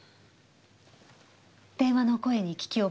電話の声に聞き覚えは？